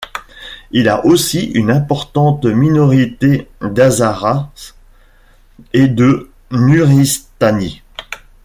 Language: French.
Il y a aussi une importante minorité d'Hazaras et de Nuristanis.